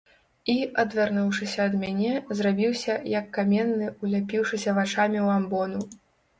І, адвярнуўшыся ад мяне, зрабіўся, як каменны, уляпіўшыся вачамі ў амбону.